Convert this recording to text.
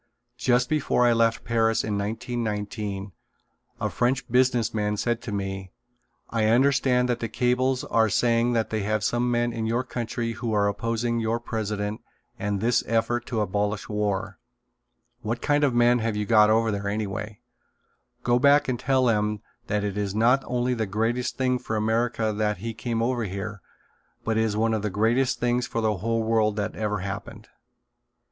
Just before I left Paris in 1919 a French business man said to me: "I understand that the cables are saying that you have some men in your country who are opposing your president and this effort to abolish war. What kind of men have you got over there, anyway? Go back and tell them that it is not only the greatest thing for America that he came over here but it is one of the greatest things for the whole world that ever happened."